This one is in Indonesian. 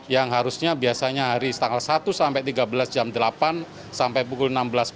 yang harusnya biasanya hari tanggal satu sampai tiga belas jam delapan sampai pukul enam belas empat puluh